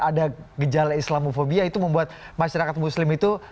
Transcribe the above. ada gejala islamofobia itu membuat masyarakat muslim itu